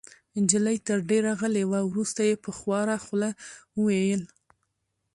نجلۍ تر دېره غلې وه. وروسته يې په خواره خوله وویل: